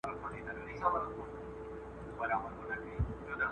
هغه سوارلۍ چې روغتون ته ځي ډېرې غمجنې وي.